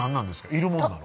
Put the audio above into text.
いるもんなの？